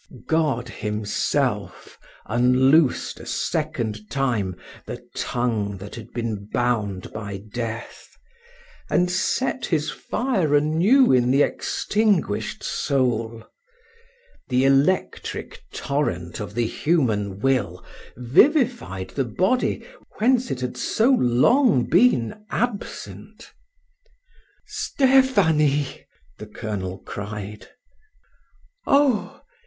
God Himself unloosed a second time the tongue that had been bound by death, and set His fire anew in the extinguished soul. The electric torrent of the human will vivified the body whence it had so long been absent. "Stephanie!" the colonel cried. "Oh!